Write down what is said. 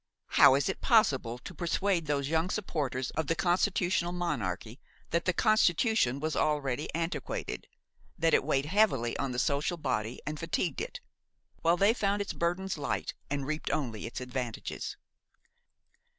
How was it possible to persuade those young supporters of the constitutional monarchy that the constitution was already antiquated, that it weighed heavily on the social body and fatigued it, while they found its burdens light and reaped only its advantages?